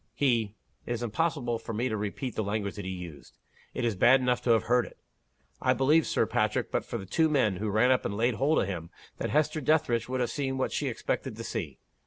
He it is impossible for me to repeat the language that he used: it is bad enough to have heard it. I believe, Sir Patrick, but for the two men, who ran up and laid hold of him, that Hester Dethridge would have seen what she expected to see.